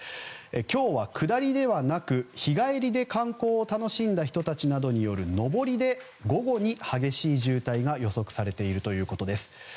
今日は下りではなく日帰りで観光を楽しんだ人たちなどによる上りで午後に激しい渋滞が予測されているということです。